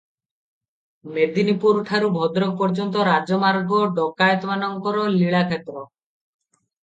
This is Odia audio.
ମେଦିନିପୁର ଠାରୁ ଭଦ୍ରକ ପର୍ଯ୍ୟନ୍ତ ରାଜମାର୍ଗ ଡକାଏତମାନଙ୍କର ଲୀଳାକ୍ଷେତ୍ର ।